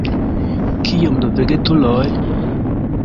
Kiom de vegetuloj?